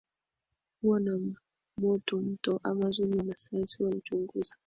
kuwa ya moto Mto Amazon Wanasayansi walichunguza